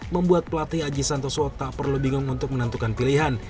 membuat pelatih aji santoso tak perlu bingung untuk menentukan pilihan